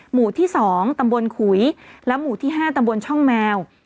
หมู่ที่๒ตำบลขุยและหมู่ที่๕ตำบลช่องแมว